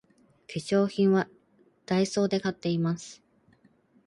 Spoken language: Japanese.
化粧品はダイソーで買っています